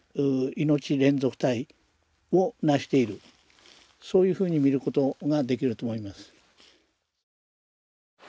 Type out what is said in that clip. いのち連続体を成しているそういうふうに見ることができると思います。